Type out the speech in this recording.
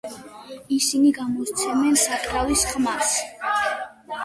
ისინი გამოსცემენ საკრავის ხმას.